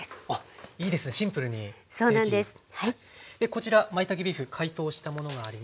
こちらまいたけビーフ解凍したものがあります。